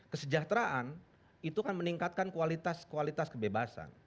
kesejahteraan itu kan meningkatkan kualitas kualitas kebebasan